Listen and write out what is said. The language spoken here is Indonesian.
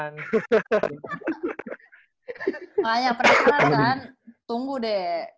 nggak pernikahan kan tunggu deh